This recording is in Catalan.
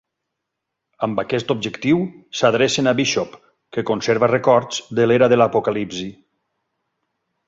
Amb aquest objectiu, s'adrecen a Bishop, que conserva records de l'Era de l'Apocalipsi.